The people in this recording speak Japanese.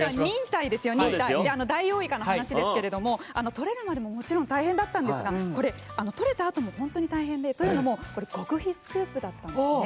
ダイオウイカの話ですけれどもとれるまでももちろん大変だったんですがこれ、とれた後も本当に大変で極秘スクープだったんですね。